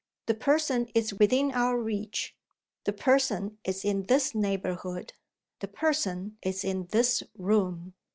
The person is within our reach. The person is in this neighborhood. The person is in this room!"